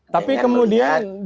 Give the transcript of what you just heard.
tapi kemudian dengan